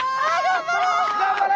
頑張れ！